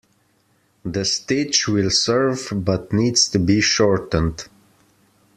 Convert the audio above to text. The stitch will serve but needs to be shortened.